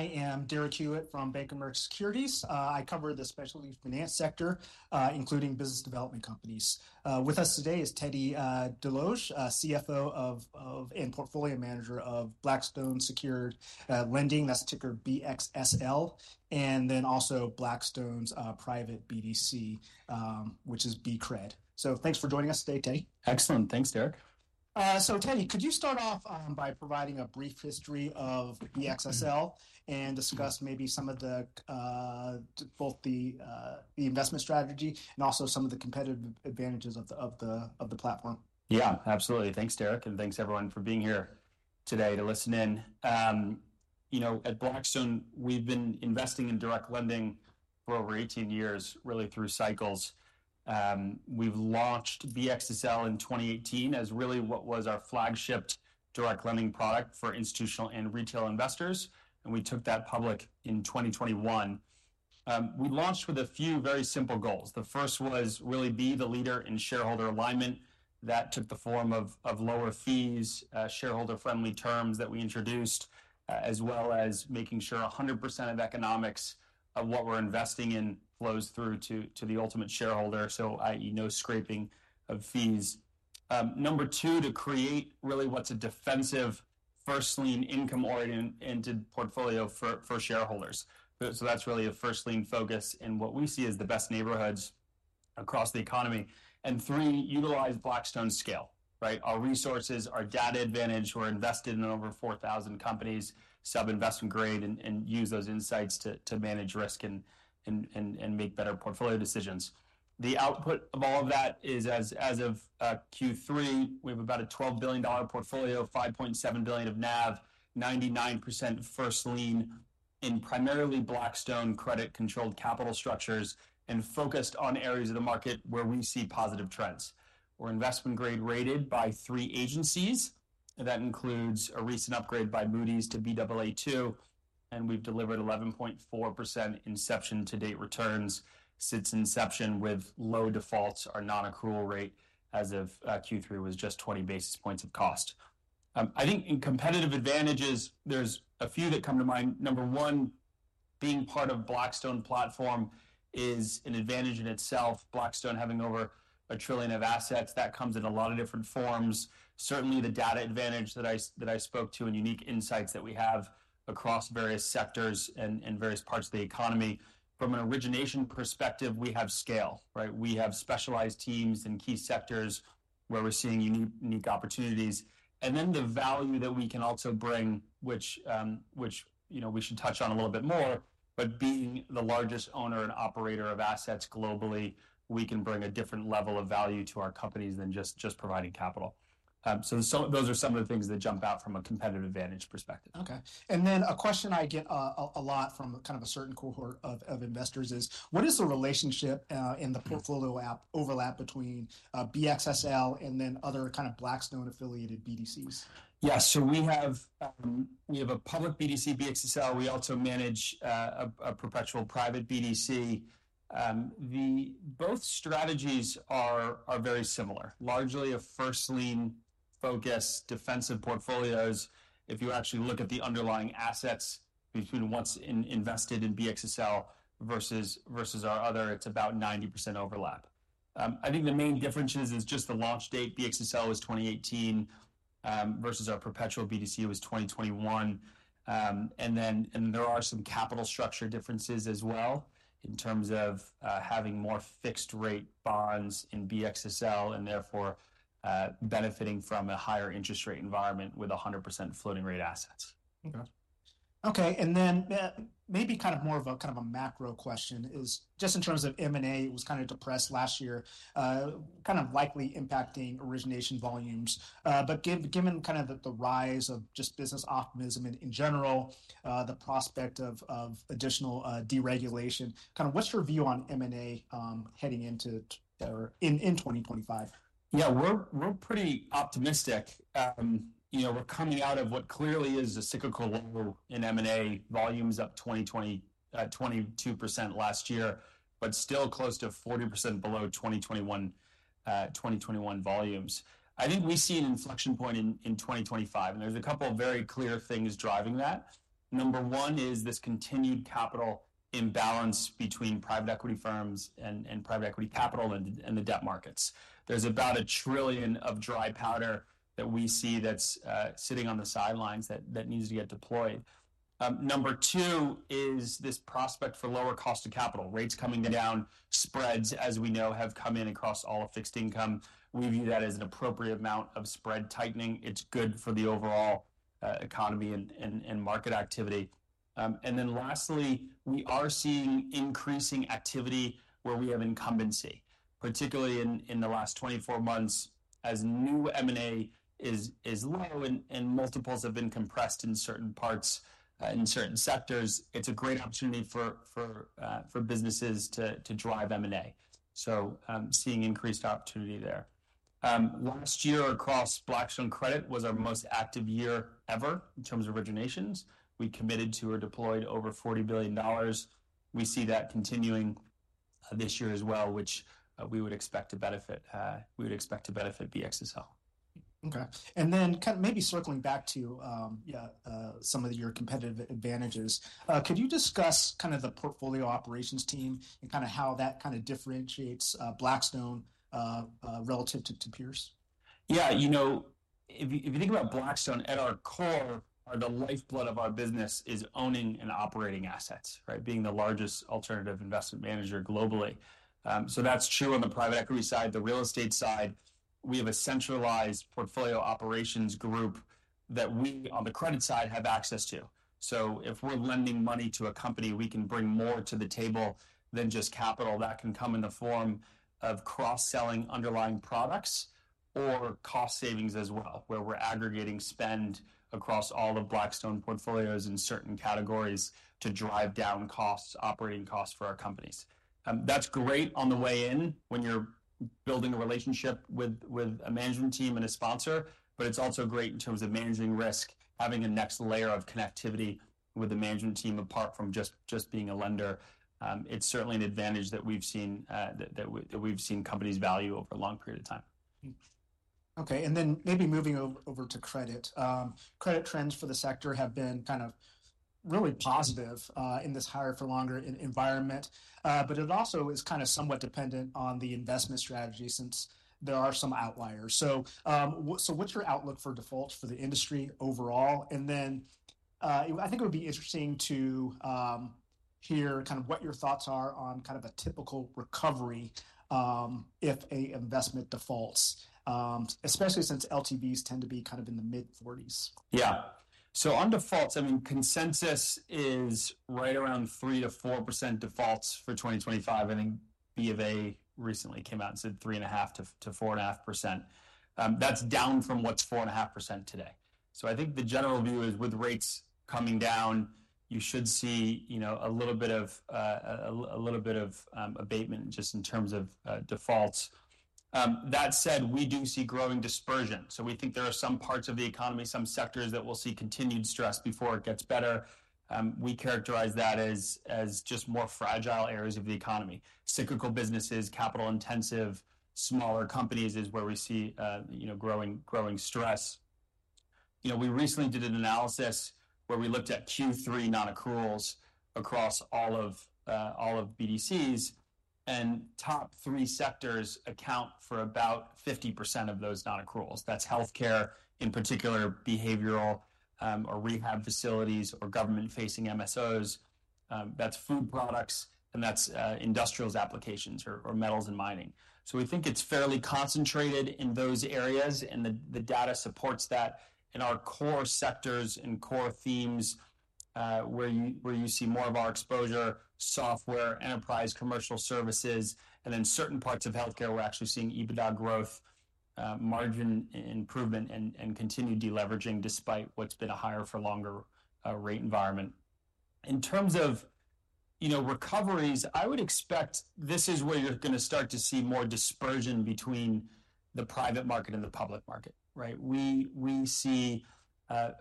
I am Derek Hewett from Bank of America Securities. I cover the specialty finance sector, including business development companies. With us today is Teddy Desloge, CFO and Portfolio Manager of Blackstone Secured Lending, that's ticker BXSL, and then also Blackstone's Private BDC, which is BCRED, so thanks for joining us today, Teddy. Excellent. Thanks, Derek. So Teddy, could you start off by providing a brief history of BXSL and discuss maybe some of both the investment strategy and also some of the competitive advantages of the platform? Yeah, absolutely. Thanks, Derek, and thanks everyone for being here today to listen in. You know, at Blackstone, we've been investing in direct lending for over 18 years, really through cycles. We've launched BXSL in 2018 as really what was our flagship direct lending product for institutional and retail investors, and we took that public in 2021. We launched with a few very simple goals. The first was really be the leader in shareholder alignment. That took the form of lower fees, shareholder-friendly terms that we introduced, as well as making sure 100% of economics of what we're investing in flows through to the ultimate shareholder, so i.e., no scraping of fees. Number two, to create really what's a defensive, first-lien, income-oriented portfolio for shareholders, so that's really a first-lien focus in what we see as the best neighborhoods across the economy, and three, utilize Blackstone scale, right? Our resources, our data advantage. We're invested in over 4,000 companies, sub-investment grade, and use those insights to manage risk and make better portfolio decisions. The output of all of that is, as of Q3, we have about a $12 billion portfolio, $5.7 billion of NAV, 99% first-lien in primarily Blackstone credit-controlled capital structures and focused on areas of the market where we see positive trends. We're investment-grade rated by three agencies. That includes a recent upgrade by Moody's to Baa2, and we've delivered 11.4% inception-to-date returns since inception with low defaults or non-accrual rate as of Q3, which was just 20 basis points of cost. I think in competitive advantages, there's a few that come to mind. Number one, being part of Blackstone platform is an advantage in itself. Blackstone having over $1 trillion of assets, that comes in a lot of different forms. Certainly, the data advantage that I spoke to and unique insights that we have across various sectors and various parts of the economy. From an origination perspective, we have scale, right? We have specialized teams in key sectors where we're seeing unique opportunities, and then the value that we can also bring, which we should touch on a little bit more, but being the largest owner and operator of assets globally, we can bring a different level of value to our companies than just providing capital, so those are some of the things that jump out from a competitive advantage perspective. Okay, and then a question I get a lot from kind of a certain cohort of investors is, what is the relationship and the portfolio overlap between BXSL and then other kind of Blackstone-affiliated BDCs? Yeah, so we have a public BDC, BXSL. We also manage a perpetual private BDC. Both strategies are very similar, largely a first-lien focus, defensive portfolios. If you actually look at the underlying assets between what's invested in BXSL versus our other, it's about 90% overlap. I think the main difference is just the launch date. BXSL was 2018 versus our perpetual BDC was 2021. And then there are some capital structure differences as well in terms of having more fixed-rate bonds in BXSL and therefore benefiting from a higher interest rate environment with 100% floating-rate assets. Okay. And then maybe kind of more of a kind of a macro question is just in terms of M&A, it was kind of depressed last year, kind of likely impacting origination volumes. But given kind of the rise of just business optimism in general, the prospect of additional deregulation, kind of what's your view on M&A heading into or in 2025? Yeah, we're pretty optimistic. You know, we're coming out of what clearly is a cyclical low in M&A volumes, up 22% last year, but still close to 40% below 2021 volumes. I think we see an inflection point in 2025, and there's a couple of very clear things driving that. Number one is this continued capital imbalance between private equity firms and private equity capital and the debt markets. There's about a trillion of dry powder that we see that's sitting on the sidelines that needs to get deployed. Number two is this prospect for lower cost of capital. Rates coming down, spreads, as we know, have come in across all of fixed income. We view that as an appropriate amount of spread tightening. It's good for the overall economy and market activity. And then lastly, we are seeing increasing activity where we have incumbency, particularly in the last 24 months. As new M&A is low and multiples have been compressed in certain parts, in certain sectors, it's a great opportunity for businesses to drive M&A. So seeing increased opportunity there. Last year across Blackstone Credit was our most active year ever in terms of originations. We committed to or deployed over $40 billion. We see that continuing this year as well, which we would expect to benefit BXSL. Okay. And then kind of maybe circling back to some of your competitive advantages, could you discuss kind of the portfolio operations team and kind of how that kind of differentiates Blackstone relative to peers? Yeah, you know, if you think about Blackstone, at our core, the lifeblood of our business is owning and operating assets, right? Being the largest alternative investment manager globally. So that's true on the private equity side, the real estate side. We have a centralized portfolio operations group that we, on the credit side, have access to. So if we're lending money to a company, we can bring more to the table than just capital. That can come in the form of cross-selling underlying products or cost savings as well, where we're aggregating spend across all of Blackstone portfolios in certain categories to drive down costs, operating costs for our companies. That's great on the way in when you're building a relationship with a management team and a sponsor, but it's also great in terms of managing risk, having a next layer of connectivity with the management team apart from just being a lender. It's certainly an advantage that we've seen companies value over a long period of time. Okay. And then maybe moving over to credit. Credit trends for the sector have been kind of really positive in this higher-for-longer environment, but it also is kind of somewhat dependent on the investment strategy since there are some outliers. So what's your outlook for defaults for the industry overall? And then I think it would be interesting to hear kind of what your thoughts are on kind of a typical recovery if an investment defaults, especially since LTVs tend to be kind of in the mid-40s. Yeah. So on defaults, I mean, consensus is right around 3%-4% defaults for 2025. I think BofA recently came out and said 3.5%-4.5%. That's down from what's 4.5% today. So I think the general view is with rates coming down, you should see a little bit of a little bit of abatement just in terms of defaults. That said, we do see growing dispersion. So we think there are some parts of the economy, some sectors that will see continued stress before it gets better. We characterize that as just more fragile areas of the economy. Cyclical businesses, capital-intensive, smaller companies is where we see growing stress. You know, we recently did an analysis where we looked at Q3 nonaccruals across all of BDCs, and top three sectors account for about 50% of those nonaccruals. That's healthcare in particular, behavioral or rehab facilities or government-facing MSOs. That's food products, and that's industrials applications or metals and mining. So we think it's fairly concentrated in those areas, and the data supports that. In our core sectors and core themes where you see more of our exposure, software, enterprise, commercial services, and then certain parts of healthcare, we're actually seeing EBITDA growth, margin improvement, and continued deleveraging despite what's been a higher-for-longer rate environment. In terms of recoveries, I would expect this is where you're going to start to see more dispersion between the private market and the public market, right? We see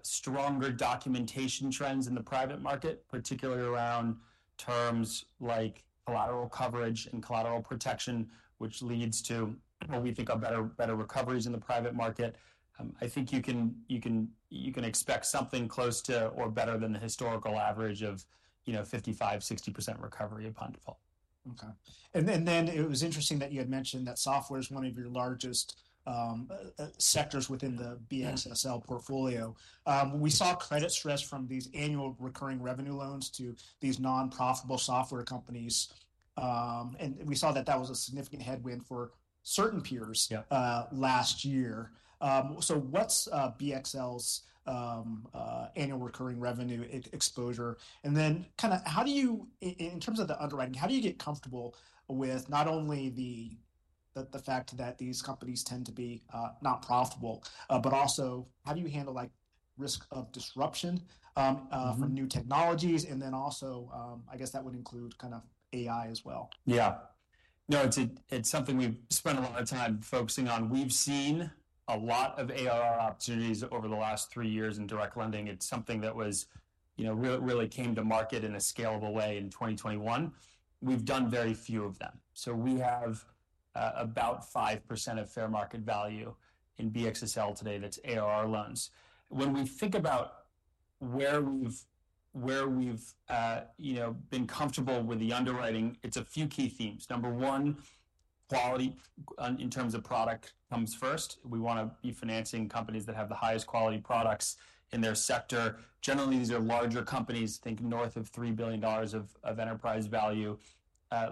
stronger documentation trends in the private market, particularly around terms like collateral coverage and collateral protection, which leads to what we think are better recoveries in the private market. I think you can expect something close to or better than the historical average of 55%-60% recovery upon default. Okay. And then it was interesting that you had mentioned that software is one of your largest sectors within the BXSL portfolio. We saw credit stress from these annual recurring revenue loans to these non-profitable software companies. And we saw that that was a significant headwind for certain peers last year. So what's BXSL's annual recurring revenue exposure? And then kind of how do you, in terms of the underwriting, how do you get comfortable with not only the fact that these companies tend to be non-profitable, but also how do you handle risk of disruption from new technologies? And then also, I guess that would include kind of AI as well. Yeah. No, it's something we've spent a lot of time focusing on. We've seen a lot of ARR opportunities over the last three years in direct lending. It's something that really came to market in a scalable way in 2021. We've done very few of them. So we have about 5% of fair market value in BXSL today that's ARR loans. When we think about where we've been comfortable with the underwriting, it's a few key themes. Number one, quality in terms of product comes first. We want to be financing companies that have the highest quality products in their sector. Generally, these are larger companies, think north of $3 billion of enterprise value,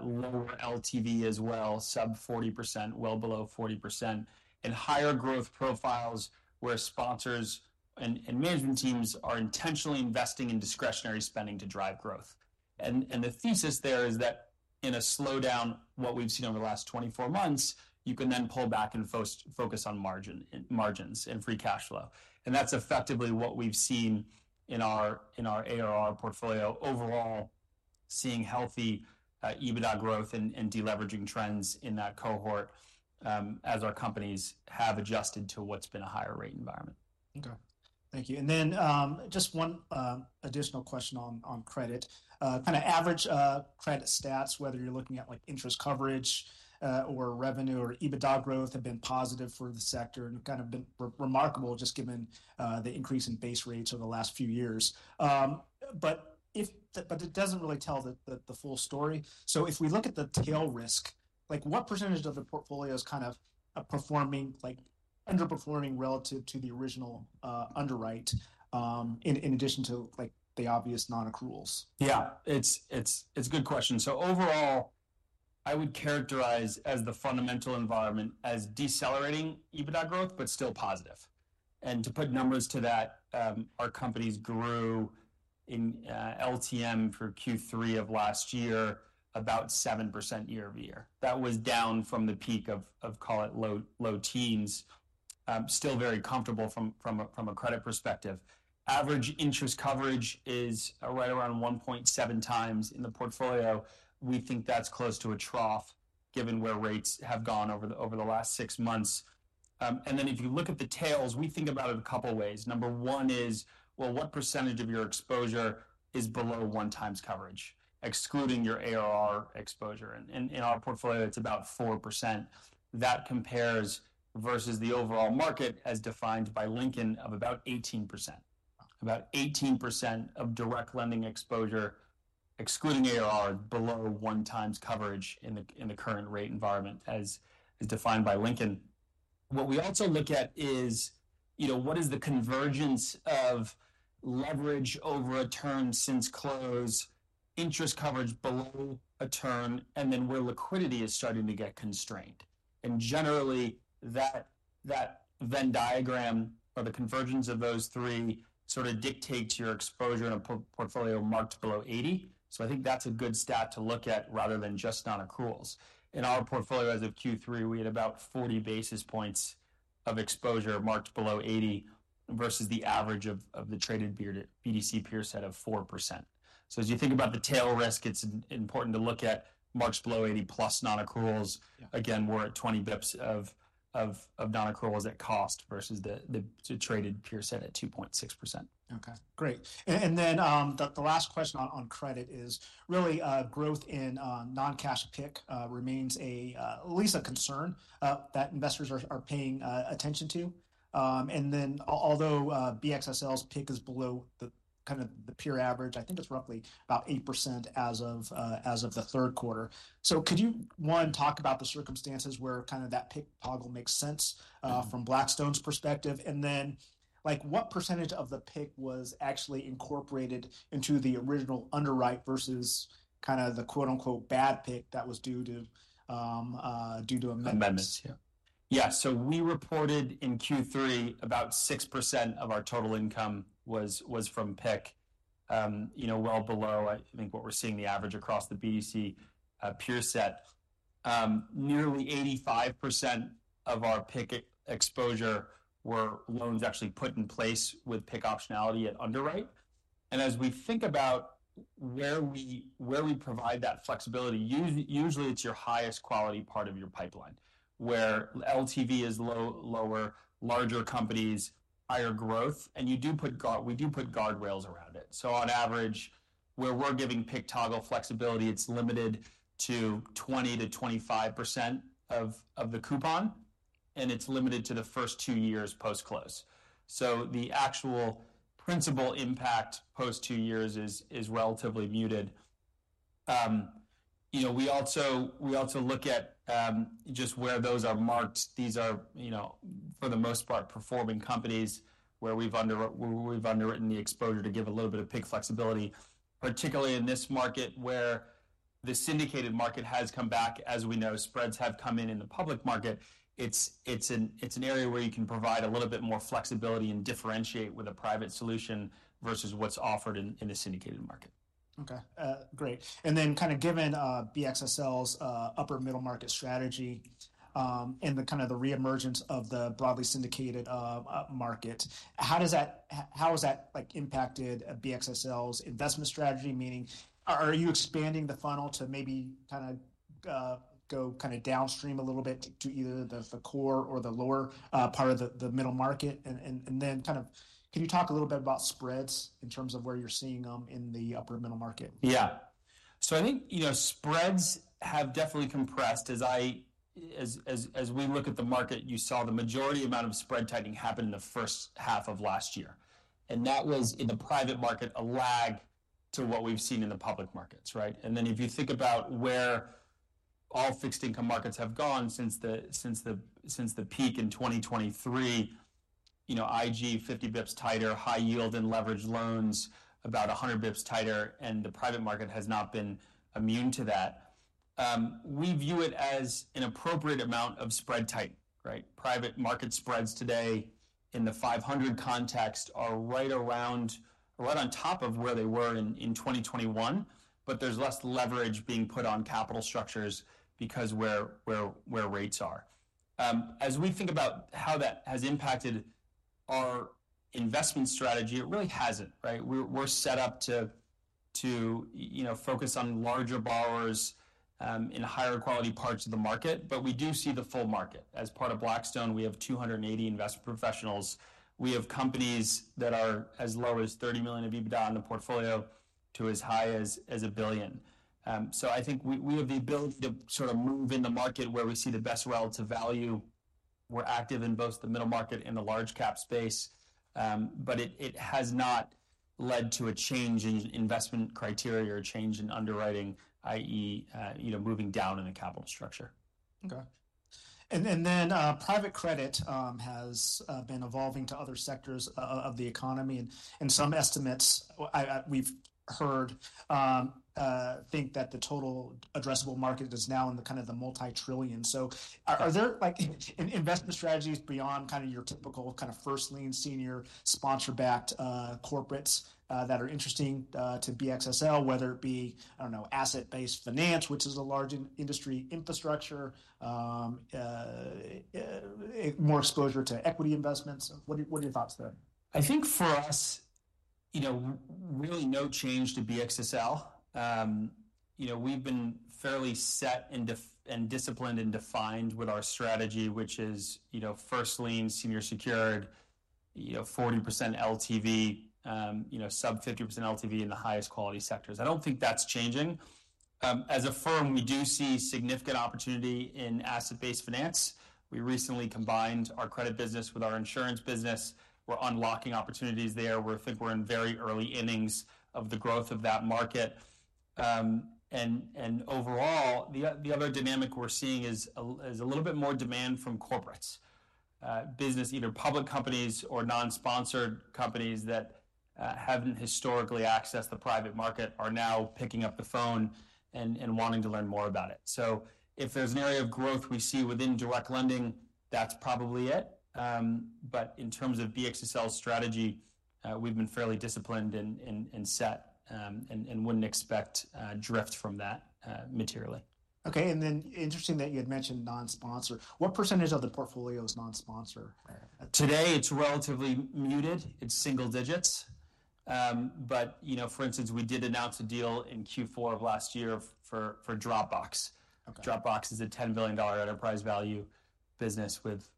lower LTV as well, sub 40%, well below 40%, and higher growth profiles where sponsors and management teams are intentionally investing in discretionary spending to drive growth. The thesis there is that in a slowdown, what we've seen over the last 24 months, you can then pull back and focus on margins and free cash flow. That's effectively what we've seen in our ARR portfolio overall, seeing healthy EBITDA growth and deleveraging trends in that cohort as our companies have adjusted to what's been a higher rate environment. Okay. Thank you, and then just one additional question on credit. Kind of average credit stats, whether you're looking at interest coverage or revenue or EBITDA growth, have been positive for the sector and kind of been remarkable just given the increase in base rates over the last few years. But it doesn't really tell the full story. So if we look at the tail risk, what percentage of the portfolio is kind of performing, underperforming relative to the original underwrite in addition to the obvious non-accruals? Yeah, it's a good question. So overall, I would characterize as the fundamental environment as decelerating EBITDA growth, but still positive. And to put numbers to that, our companies grew in LTM for Q3 of last year about 7% year-over-year. That was down from the peak of, call it low teens, still very comfortable from a credit perspective. Average interest coverage is right around 1.7x in the portfolio. We think that's close to a trough given where rates have gone over the last six months. And then if you look at the tails, we think about it a couple of ways. Number one is, well, what percentage of your exposure is below one times coverage, excluding your ARR exposure? And in our portfolio, it's about 4%. That compares versus the overall market as defined by Lincoln of about 18%. About 18% of direct lending exposure, excluding ARR, below 1x coverage in the current rate environment as defined by Lincoln. What we also look at is, you know, what is the convergence of leverage over a term since close, interest coverage below a term, and then where liquidity is starting to get constrained, and generally, that Venn diagram or the convergence of those three sort of dictates your exposure in a portfolio marked below 80, so I think that's a good stat to look at rather than just nonaccruals. In our portfolio as of Q3, we had about 40 basis points of exposure marked below 80 versus the average of the traded BDC peer set of 4%, so as you think about the tail risk, it's important to look at marks below 80+ nonaccruals. Again, we're at 20 basis points of nonaccruals at cost versus the traded peer set at 2.6%. Okay. Great. And then the last question on credit is really growth in non-cash PIK remains at least a concern that investors are paying attention to. And then although BXSL's PIK is below kind of the peer average, I think it's roughly about 8% as of the third quarter. So could you, one, talk about the circumstances where kind of that PIK puzzle makes sense from Blackstone's perspective? And then what percentage of the PIK was actually incorporated into the original underwrite versus kind of the quote-unquote bad PIK that was due to amendments? Yeah. So we reported in Q3 about 6% of our total income was from PIK, you know, well below, I think, what we're seeing the average across the BDC peer set. Nearly 85% of our PIK exposure were loans actually put in place with PIK optionality at underwrite. And as we think about where we provide that flexibility, usually it's your highest quality part of your pipeline where LTV is lower, larger companies, higher growth, and we do put guardrails around it. So on average, where we're giving PIK toggle flexibility, it's limited to 20%-25% of the coupon, and it's limited to the first two years post-close. So the actual principal impact post two years is relatively muted. You know, we also look at just where those are marked. These are, for the most part, performing companies where we've underwritten the exposure to give a little bit of PIK flexibility, particularly in this market where the syndicated market has come back, as we know, spreads have come in in the public market. It's an area where you can provide a little bit more flexibility and differentiate with a private solution versus what's offered in the syndicated market. Okay. Great. And then kind of given BXSL's upper middle market strategy and kind of the reemergence of the broadly syndicated market, how has that impacted BXSL's investment strategy? Meaning, are you expanding the funnel to maybe kind of go kind of downstream a little bit to either the core or the lower part of the middle market? And then kind of can you talk a little bit about spreads in terms of where you're seeing them in the upper middle market? Yeah. So I think, you know, spreads have definitely compressed as we look at the market. You saw the majority amount of spread tightening happened in the first half of last year. And that was in the private market a lag to what we've seen in the public markets, right? And then if you think about where all fixed income markets have gone since the peak in 2023, you know, IG 50 basis points tighter, high yield and leveraged loans about 100 basis points tighter, and the private market has not been immune to that. We view it as an appropriate amount of spread tightening, right? Private market spreads today in the 500 context are right around, right on top of where they were in 2021, but there's less leverage being put on capital structures because where rates are. As we think about how that has impacted our investment strategy, it really hasn't, right? We're set up to focus on larger borrowers in higher quality parts of the market, but we do see the full market. As part of Blackstone, we have 280 investment professionals. We have companies that are as low as $30 million of EBITDA in the portfolio to as high as $1 billion. So I think we have the ability to sort of move in the market where we see the best relative value. We're active in both the middle market and the large cap space, but it has not led to a change in investment criteria or a change in underwriting, i.e., moving down in the capital structure. Okay. And then private credit has been evolving to other sectors of the economy. And some estimates we've heard think that the total addressable market is now in the kind of the multi-trillion. So are there investment strategies beyond kind of your typical kind of first-lien, senior sponsor-backed corporates that are interesting to BXSL, whether it be, I don't know, asset-based finance, which is a large industry infrastructure, more exposure to equity investments? What are your thoughts there? I think for us, you know, really no change to BXSL. You know, we've been fairly set and disciplined and defined with our strategy, which is, you know, first-lien, senior secured, you know, 40% LTV, you know, sub 50% LTV in the highest quality sectors. I don't think that's changing. As a firm, we do see significant opportunity in asset-based finance. We recently combined our credit business with our insurance business. We're unlocking opportunities there. We think we're in very early innings of the growth of that market. Overall, the other dynamic we're seeing is a little bit more demand from corporates, business, either public companies or non-sponsored companies that haven't historically accessed the private market are now picking up the phone and wanting to learn more about it. So if there's an area of growth we see within direct lending, that's probably it. But in terms of BXSL's strategy, we've been fairly disciplined and set and wouldn't expect drift from that materially. Okay. And then interesting that you had mentioned non-sponsor. What percentage of the portfolio is non-sponsor? Today, it's relatively muted. It's single digits. But, you know, for instance, we did announce a deal in Q4 of last year for Dropbox. Dropbox is a $10 billion enterprise value business with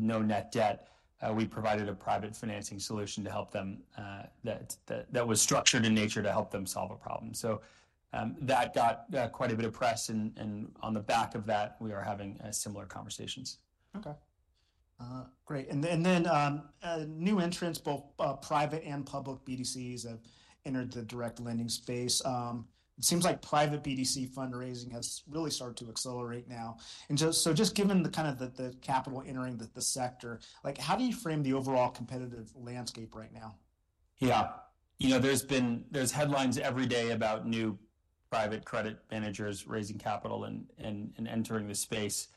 no net debt. We provided a private financing solution to help them that was structured in nature to help them solve a problem. So that got quite a bit of press. And on the back of that, we are having similar conversations. Okay. Great. And then new entrants, both private and public BDCs have entered the direct lending space. It seems like private BDC fundraising has really started to accelerate now. And so just given the kind of the capital entering the sector, how do you frame the overall competitive landscape right now? Yeah. You know, there's headlines every day about new private credit managers raising capital and entering the space.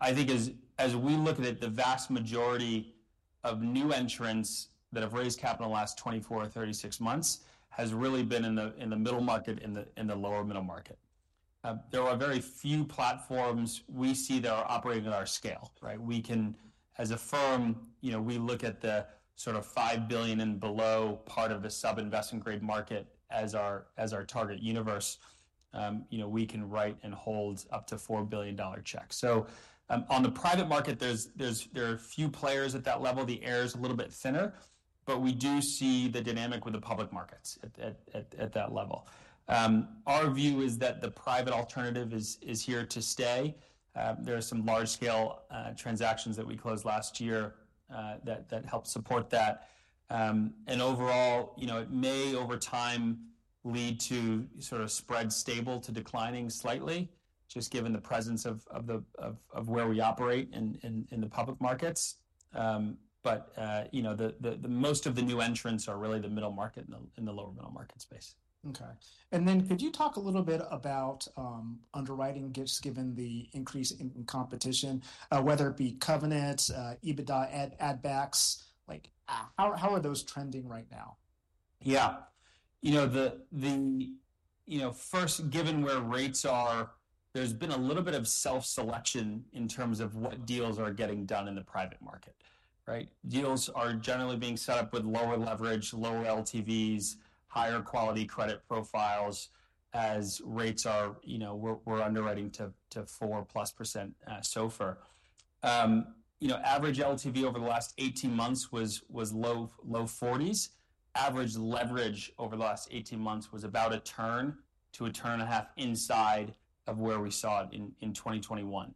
I think as we look at it, the vast majority of new entrants that have raised capital in the last 24 months or 36 months has really been in the middle market, in the lower middle market. There are very few platforms we see that are operating at our scale, right? We can, as a firm, you know, we look at the sort of $5 billion and below part of the sub-investment grade market as our target universe. You know, we can write and hold up to $4 billion checks. So on the private market, there are few players at that level. The air is a little bit thinner, but we do see the dynamic with the public markets at that level. Our view is that the private alternative is here to stay. There are some large-scale transactions that we closed last year that helped support that. And overall, you know, it may over time lead to sort of spreads stable to declining slightly, just given the presence of where we operate in the public markets. But, you know, most of the new entrants are really the middle market and the lower middle market space. Okay. And then could you talk a little bit about underwriting, just given the increase in competition, whether it be covenants, EBITDA add-backs, like how are those trending right now? Yeah. You know, first, given where rates are, there's been a little bit of self-selection in terms of what deals are getting done in the private market, right? Deals are generally being set up with lower leverage, lower LTVs, higher quality credit profiles as rates are, you know, we're underwriting to 4%+ SOFR. You know, average LTV over the last 18 months was low 40s. Average leverage over the last 18 months was about a turn to a turn and a half inside of where we saw it in 2021.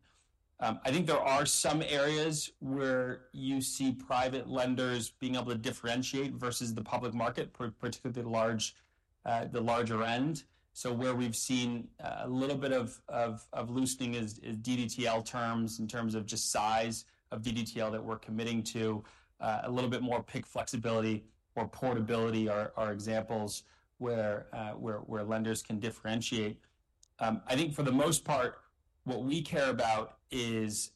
I think there are some areas where you see private lenders being able to differentiate versus the public market, particularly the larger end. So where we've seen a little bit of loosening is DDTL terms in terms of just size of DDTL that we're committing to, a little bit more PIK flexibility or portability are examples where lenders can differentiate. I think for the most part, what we care about is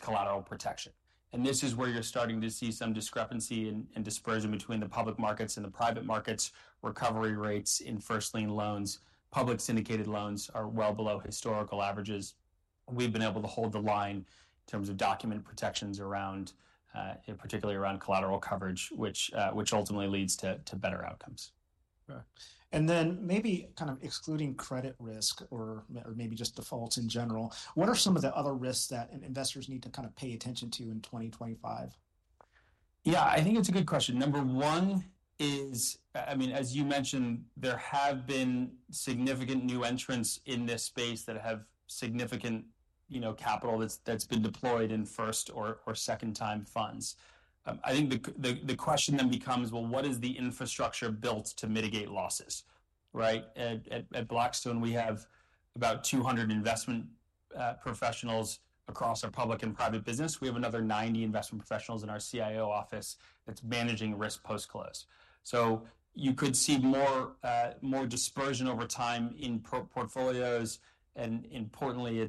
collateral protection. And this is where you're starting to see some discrepancy and dispersion between the public markets and the private markets. Recovery rates in first-lien loans, public syndicated loans are well below historical averages. We've been able to hold the line in terms of document protections around, particularly around collateral coverage, which ultimately leads to better outcomes. Maybe kind of excluding credit risk or maybe just defaults in general, what are some of the other risks that investors need to kind of pay attention to in 2025? Yeah, I think it's a good question. Number one is, I mean, as you mentioned, there have been significant new entrants in this space that have significant, you know, capital that's been deployed in first- or second-time funds. I think the question then becomes, well, what is the infrastructure built to mitigate losses, right? At Blackstone, we have about 200 investment professionals across our public and private business. We have another 90 investment professionals in our CIO office that's managing risk post-close. So you could see more dispersion over time in portfolios. And importantly,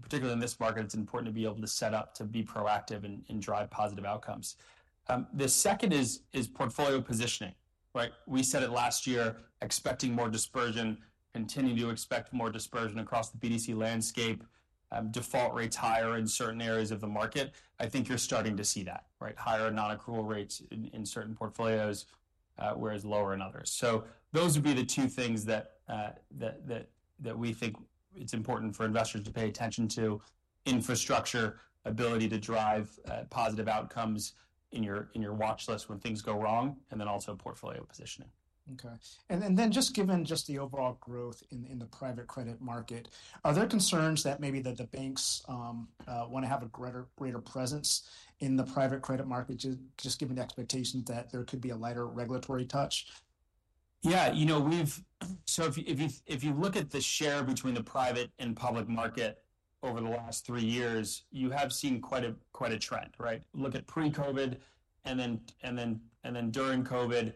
particularly in this market, it's important to be able to set up to be proactive and drive positive outcomes. The second is portfolio positioning, right? We said it last year, expecting more dispersion, continuing to expect more dispersion across the BDC landscape, default rates higher in certain areas of the market. I think you're starting to see that, right? Higher non-accrual rates in certain portfolios, whereas lower in others. So those would be the two things that we think it's important for investors to pay attention to: infrastructure, ability to drive positive outcomes in your watch list when things go wrong, and then also portfolio positioning. Okay. And then, given the overall growth in the private credit market, are there concerns that maybe the banks want to have a greater presence in the private credit market, just given the expectation that there could be a lighter regulatory touch? Yeah, you know, we've, so if you look at the share between the private and public market over the last three years, you have seen quite a trend, right? Look at pre-COVID and then during COVID,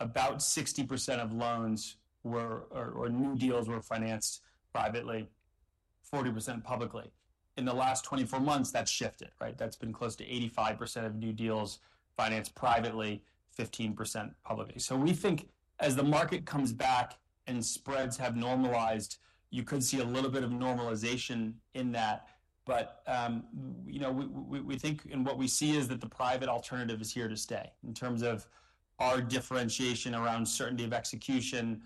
about 60% of loans or new deals were financed privately, 40% publicly. In the last 24 months, that's shifted, right? That's been close to 85% of new deals financed privately, 15% publicly. So we think as the market comes back and spreads have normalized, you could see a little bit of normalization in that. But, you know, we think and what we see is that the private alternative is here to stay in terms of our differentiation around certainty of execution,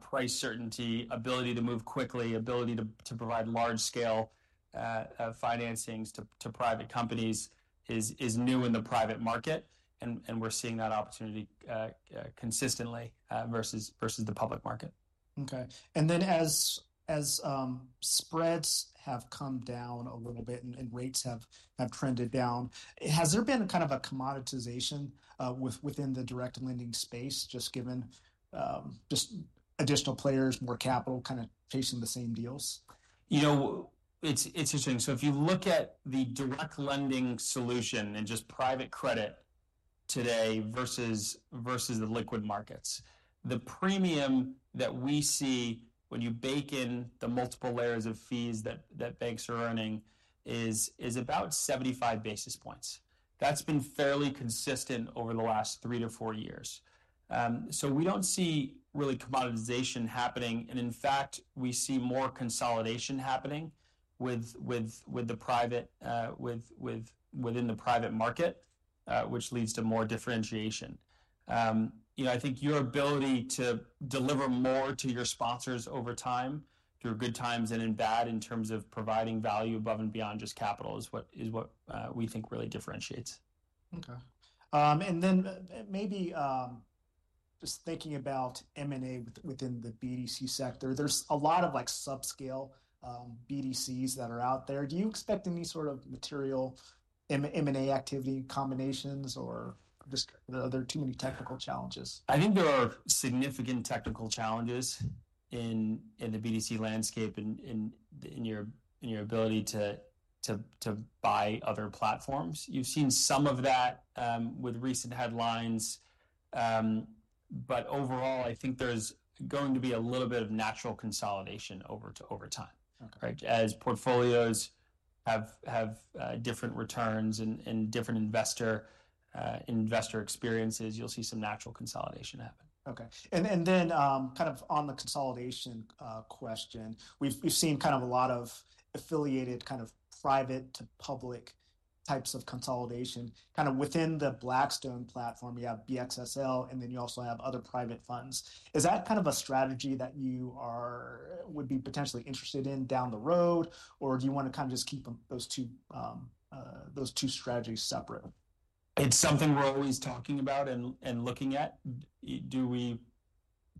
price certainty, ability to move quickly, ability to provide large-scale financings to private companies is new in the private market. And we're seeing that opportunity consistently versus the public market. Okay. And then as spreads have come down a little bit and rates have trended down, has there been kind of a commoditization within the direct lending space, just given additional players, more capital kind of chasing the same deals? You know, it's interesting. So if you look at the direct lending solution and just private credit today versus the liquid markets, the premium that we see when you bake in the multiple layers of fees that banks are earning is about 75 basis points. That's been fairly consistent over the last three to four years. So we don't see really commoditization happening. And in fact, we see more consolidation happening within the private market, which leads to more differentiation. You know, I think your ability to deliver more to your sponsors over time through good times and in bad in terms of providing value above and beyond just capital is what we think really differentiates. Okay. And then maybe just thinking about M&A within the BDC sector, there's a lot of like subscale BDCs that are out there. Do you expect any sort of material M&A activity combinations or just are there too many technical challenges? I think there are significant technical challenges in the BDC landscape and in your ability to buy other platforms. You've seen some of that with recent headlines. But overall, I think there's going to be a little bit of natural consolidation over time, right? As portfolios have different returns and different investor experiences, you'll see some natural consolidation happen. Okay. And then kind of on the consolidation question, we've seen kind of a lot of affiliated kind of private to public types of consolidation kind of within the Blackstone platform. You have BXSL, and then you also have other private funds. Is that kind of a strategy that you would be potentially interested in down the road, or do you want to kind of just keep those two strategies separate? It's something we're always talking about and looking at. Do we,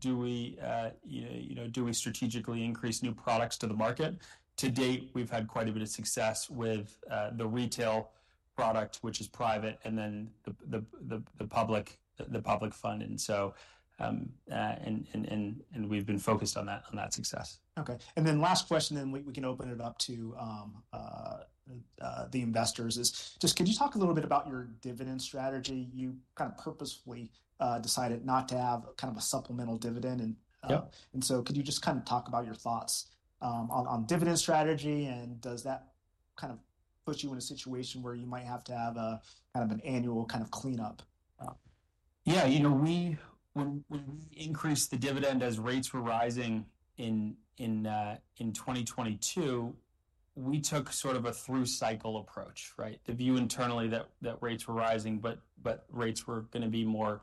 you know, do we strategically increase new products to the market? To date, we've had quite a bit of success with the retail product, which is private, and then the public fund. And so we've been focused on that success. Okay. And then last question, then we can open it up to the investors. Just could you talk a little bit about your dividend strategy? You kind of purposefully decided not to have kind of a supplemental dividend. And so could you just kind of talk about your thoughts on dividend strategy? And does that kind of put you in a situation where you might have to have a kind of an annual kind of cleanup? Yeah, you know, when we increased the dividend as rates were rising in 2022, we took sort of a through cycle approach, right? The view internally that rates were rising, but rates were going to be more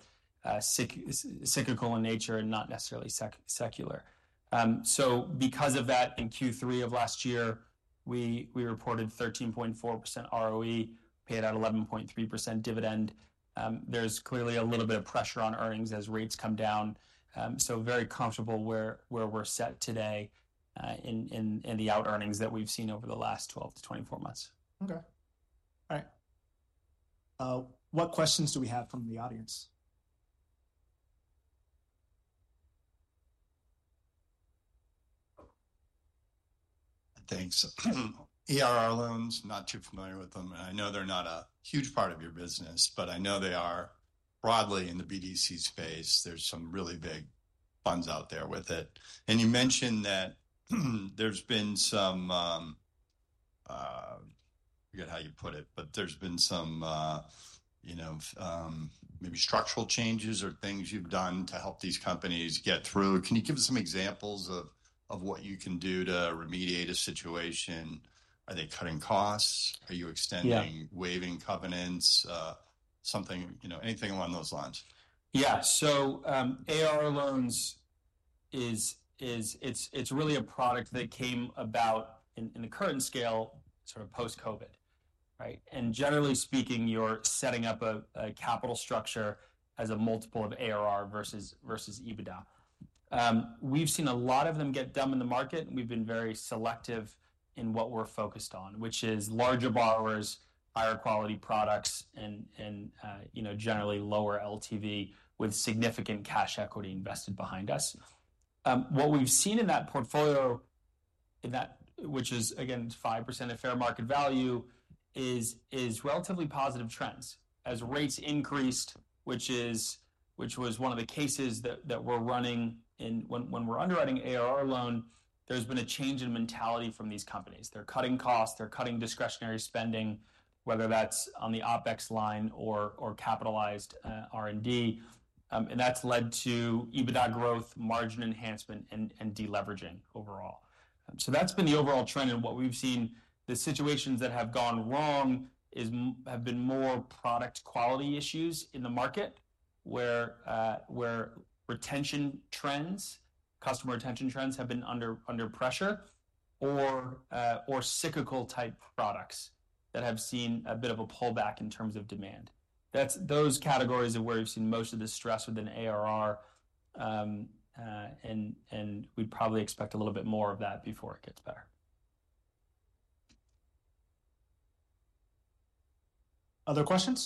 cyclical in nature and not necessarily secular. So because of that, in Q3 of last year, we reported 13.4% ROE, paid out 11.3% dividend. There's clearly a little bit of pressure on earnings as rates come down. So very comfortable where we're set today in the out earnings that we've seen over the last 12 months to 24 months. Okay. All right. What questions do we have from the audience? Thanks. ARR loans, not too familiar with them. I know they're not a huge part of your business, but I know they are broadly in the BDC space. There's some really big funds out there with it. And you mentioned that there's been some, forget how you put it, but there's been some, you know, maybe structural changes or things you've done to help these companies get through. Can you give us some examples of what you can do to remediate a situation? Are they cutting costs? Are you extending waiving covenants? Something, you know, anything along those lines? Yeah. So ARR loans, it's really a product that came about in the current scale sort of post-COVID, right? And generally speaking, you're setting up a capital structure as a multiple of ARR versus EBITDA. We've seen a lot of them get dumb in the market, and we've been very selective in what we're focused on, which is larger borrowers, higher quality products, and, you know, generally lower LTV with significant cash equity invested behind us. What we've seen in that portfolio, which is, again, 5% of fair market value, is relatively positive trends. As rates increased, which was one of the cases that we're running in when we're underwriting ARR loan, there's been a change in mentality from these companies. They're cutting costs. They're cutting discretionary spending, whether that's on the OpEx line or capitalized R&D. And that's led to EBITDA growth, margin enhancement, and deleveraging overall. So that's been the overall trend. And what we've seen, the situations that have gone wrong have been more product quality issues in the market where retention trends, customer retention trends have been under pressure, or cyclical type products that have seen a bit of a pullback in terms of demand. Those categories are where we've seen most of the stress within ARR, and we'd probably expect a little bit more of that before it gets better. Other questions?